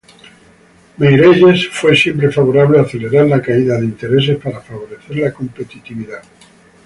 Meirelles fue siempre favorable a acelerar la caída de intereses para favorecer la competitividad.